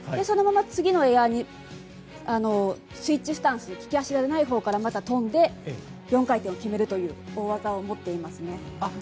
そのまま次のエアにスイッチスタンス利き足じゃないほうからまた跳んで４回転を決めるという大技を持っていますね。